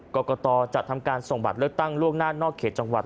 กรกตจัดทำการส่งบัตรเลือกตั้งล่วงหน้านอกเขตจังหวัด